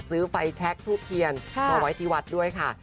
ซื้อไฟแช็คทุกเทียนตัวไว้ที่วัตต์ด้วยค่ะ